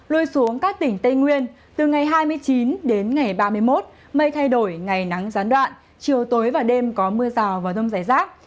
lui xuống các tỉnh tây nguyên từ ngày hai mươi chín đến ngày ba mươi một mây thay đổi ngày nắng gián đoạn chiều tối và đêm có mưa rào và rông rải rác